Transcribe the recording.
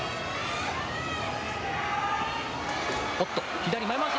左前まわし。